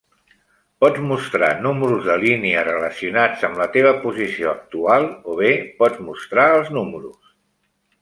Pots mostrar números de línia relacionats amb la teva posició actual, o bé pots mostrar els números.